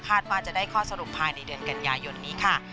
ว่าจะได้ข้อสรุปภายในเดือนกันยายนนี้ค่ะ